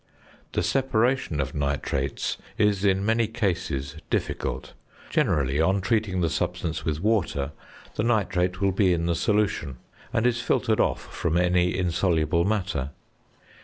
The separation of nitrates is in many cases difficult. Generally, on treating the substance with water, the nitrate will be in the solution, and is filtered off from any insoluble matter.